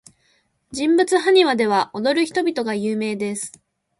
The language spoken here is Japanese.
人物埴輪では、踊る人々が有名です。